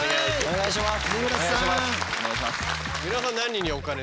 お願いします。